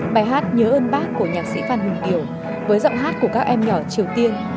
bài hát nhớ ơn bác của nhạc sĩ phan hùng kiều với giọng hát của các em nhỏ triều tiên